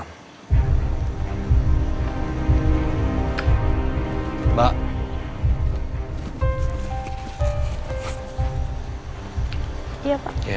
aku mau benar benar berkata